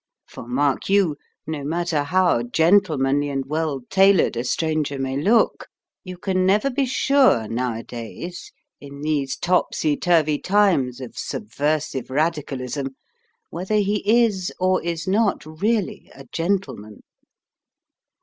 For, mark you, no matter how gentlemanly and well tailored a stranger may look, you can never be sure nowadays (in these topsy turvy times of subversive radicalism) whether he is or is not really a gentleman.